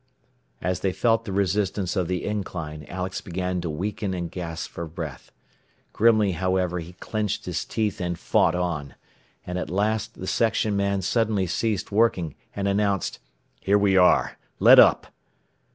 As they felt the resistance of the incline Alex began to weaken and gasp for breath. Grimly, however, he clenched his teeth, and fought on; and at last the section man suddenly ceased working, and announced "Here we are. Let up."